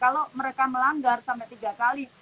kalau mereka melanggar sampai tiga kali